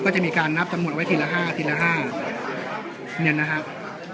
ก็จะมีการนับจำนวนไว้ทีละห้าทีละห้าเนี่ยนะครับ